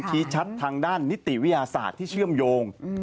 ชี้ชัดทางด้านนิติวิทยาศาสตร์ที่เชื่อมโยง